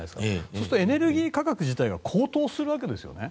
そうするとエネルギー価格自体が高騰するわけですよね。